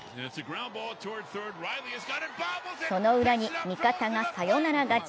そのウラに味方がサヨナラ勝ち。